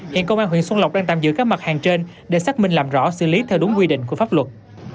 hiện công an huyện xuân lộc đang tạm giữ các mặt hàng trên để xác minh làm rõ xử lý theo đúng quy định của pháp luật